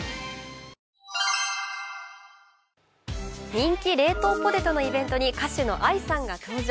人気冷凍ポテトのイベントに歌手のＡＩさんが登場。